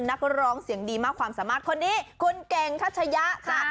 นักร้องเสียงดีมากความสามารถคนนี้คุณเก่งทัชยะค่ะ